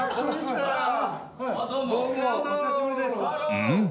うん？